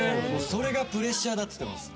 「それがプレッシャーだっつってます」